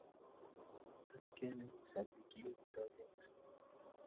سبک نویسندگی هدایت